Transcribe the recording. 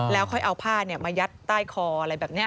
แล้วค่อยเอาผ้ามายัดใต้คออะไรแบบนี้